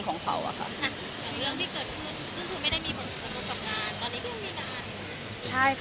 คุณก็คือไม่ได้มีความรู้ตกรรมกับงานพี่คะ